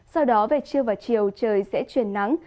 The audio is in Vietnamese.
sau đó về trưa và chiều trời sẽ chuyển nắng